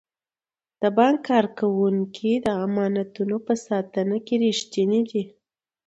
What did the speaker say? د بانک کارکوونکي د امانتونو په ساتنه کې ریښتیني دي.